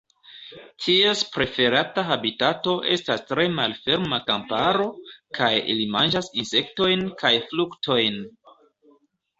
Ties preferata habitato estas tre malferma kamparo, kaj ili manĝas insektojn kaj fruktojn.